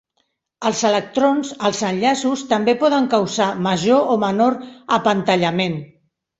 Els electrons als enllaços també poden causar major o menor apantallament.